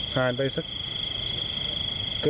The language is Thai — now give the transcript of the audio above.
ผ่านไปสัก